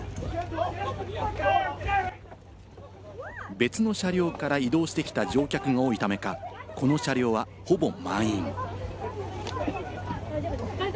別の車両から移動してきた乗客が多いためか、この車両はほぼ満員。